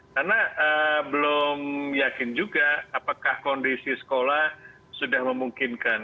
karena belum yakin juga apakah kondisi sekolah sudah memungkinkan